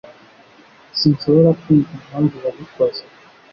Sinshobora kumva impamvu yabikoze